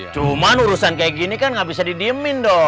cuman urusan kayak gini kan gak bisa didiemin dong